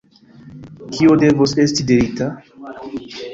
kio devos esti dirita?